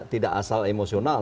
tidak asal emosional